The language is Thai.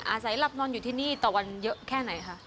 อาศัยหลับนอนอยู่ที่นี่ต่อวันเยอะแค่ไหนคะ